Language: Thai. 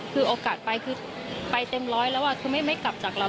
คือโอกาสไปคือไปเต็มร้อยแล้วคือไม่กลับจากเรา